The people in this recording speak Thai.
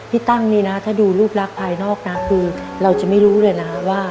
ตั้งนี่นะถ้าดูรูปลักษณ์ภายนอกนะคือเราจะไม่รู้เลยนะว่า